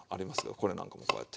これなんかもこうやって。